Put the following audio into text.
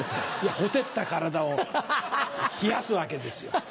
火照った体を冷やすわけですよ。